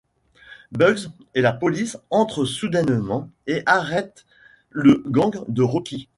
Bugs et la police entrent soudainement et arrêtent le gang de Rocky.